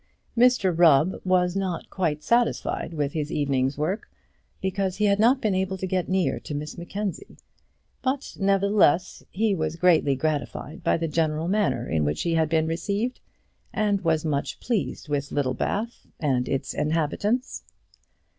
Mr Rubb was not quite satisfied with his evening's work, because he had not been able to get near to Miss Mackenzie; but, nevertheless, he was greatly gratified by the general manner in which he had been received, and was much pleased with Littlebath and its inhabitants.